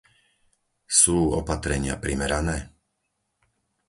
Sú opatrenia primerané?